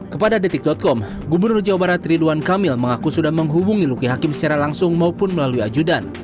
kepada detik com gubernur jawa barat ridwan kamil mengaku sudah menghubungi luki hakim secara langsung maupun melalui ajudan